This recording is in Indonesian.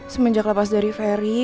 semenjak lepas dari feri